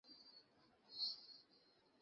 একজন পুরুষ মানুষের সাথে থাকো?